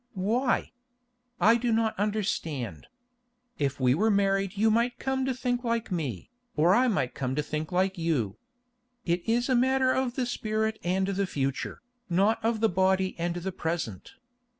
"Why? I do not understand. If we were married you might come to think like me, or I might come to think like you. It is a matter of the spirit and the future, not of the body and the present.